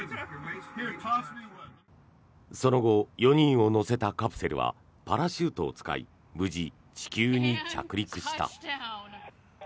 その後、４人を乗せたカプセルはパラシュートを使い無事、地球に着陸した。